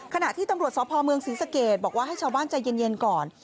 ขณะที่ตำรวจสพเมืองศรีสะเกดบอกว่าให้ชาวบ้านใจเย็นก่อน